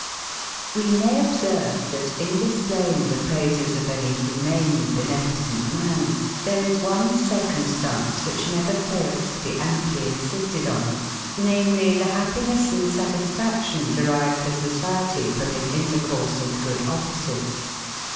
We may observe that, in displaying the praises of any humane, beneficent man, there is one circumstance which never fails to be amply insisted on, namely, the happiness and satisfaction, derived to society from his intercourse and good offices.